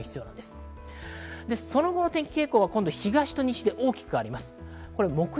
その後の天気傾向は東と西で変わります。